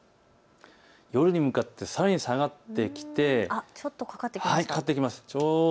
夜に向かってさらに下がってきてちょっとかかってきます。